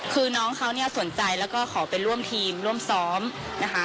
คือน้องเขาเนี่ยสนใจแล้วก็ขอไปร่วมทีมร่วมซ้อมนะคะ